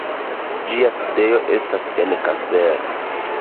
Ĝia sidejo estas en Kassel.